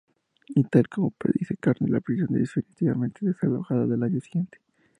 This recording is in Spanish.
Y tal como predice Carnes, la prisión es definitivamente desalojada al año siguiente.